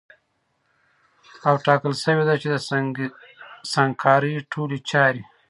او ټاکل سوې ده چي د سنګکارۍ ټولي چاري